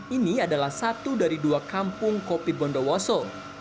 ini adalah satu dari dua kampung kopi bondowoso